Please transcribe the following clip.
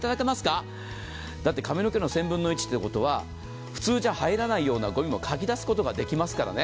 だって髪の毛の１０００分の１ということは、普通だったら入らない汚れもかき出すことができますからね。